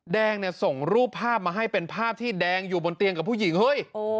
แดงเนี่ยส่งรูปภาพมาให้เป็นภาพที่แดงอยู่บนเตียงกับผู้หญิงเฮ้ย